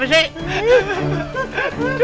udah bapoloni vasih